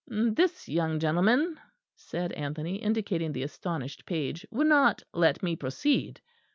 "This young gentleman," said Anthony, indicating the astonished page, "would not let me proceed."